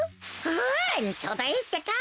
うんちょうどいいってか！